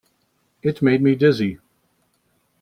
It made me dizzy.